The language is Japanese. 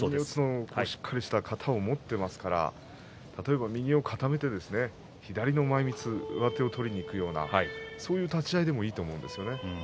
しっかりした型を持っていますから、例えば右を固めて左の前みつ上手を取りにいくようなそういう立ち合いでもいいと思うんですよね。